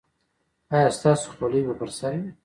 ایا ستاسو خولۍ به پر سر وي؟